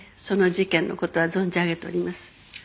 その事件の事は存じ上げております。